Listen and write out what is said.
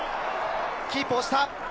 キープした。